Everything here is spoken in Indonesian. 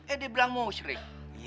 eh dia bilang musrik